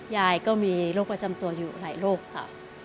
ยายก็มีโรคประจำตัวอยู่หลายโรคค่ะ